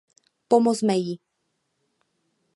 Pomozme jí.